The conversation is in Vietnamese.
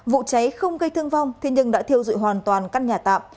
vụ cháy không gây thương vong thế nhưng đã thiêu dụi hoàn toàn căn nhà tạm